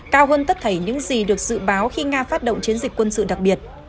cao hơn tất thảy những gì được dự báo khi nga phát động chiến dịch quân sự đặc biệt